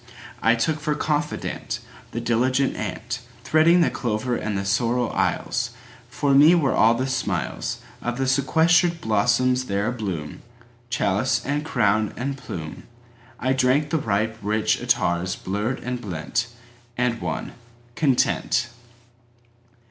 I took for confidantThe diligent antThreading the clover and the sorrel aisles; For me were all the smilesOf the sequestered blossoms there abloom—Chalice and crown and plume;I drank the ripe rich attars blurred and blent, And won—Content!